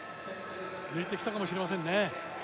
抜いてきたかもしれませんね